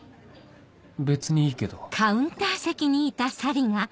別にいいけど